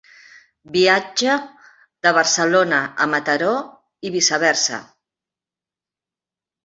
Viatge de Barcelona a Mataró, i viceversa.